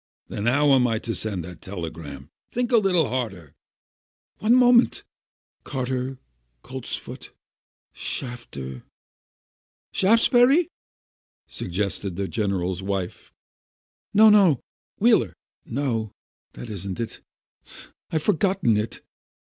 "Then how am I to send that telegram? Think a little harder!" "One moment! Carter— Coltsford— Shatter " "Shaftsbury?" suggested the general's wife. "No, no— Wheeler^ no, that isn't it! I've forgot ten it!"